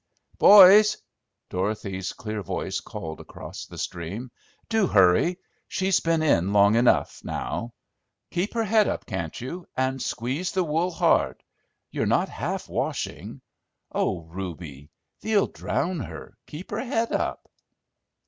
"Boys!" Dorothy's clear voice called across the stream. "Do hurry! She's been in long enough, now! Keep her head up, can't you, and squeeze the wool hard! You're not half washing! Oh, Reuby! thee'll drown her! Keep her head up!"